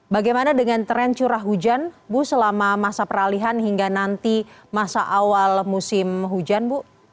bagaimana dengan tren curah hujan bu selama masa peralihan hingga nanti masa awal musim hujan bu